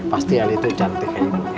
pasti el itu cantik